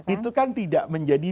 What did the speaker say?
itu kan tidak menjadi